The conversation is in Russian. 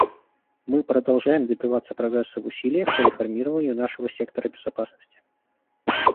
Мы продолжаем добиваться прогресса в усилиях по реформированию нашего сектора безопасности.